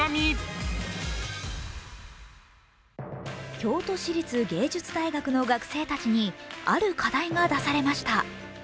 京都市立芸術大学の学生たちにある課題が出されました。